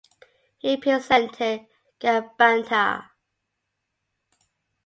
He represented Gaibandha.